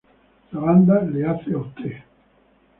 La banda le hace a Ud.